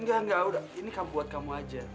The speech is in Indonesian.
nggak nggak udah ini buat kamu aja